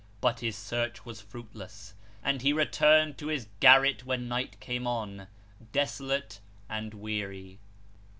But his search was fruitless, and he returned to his garret when night came on, desolate and weary.